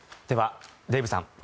ではデーブさん